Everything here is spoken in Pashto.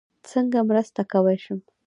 څنګه مرسته کوی شم؟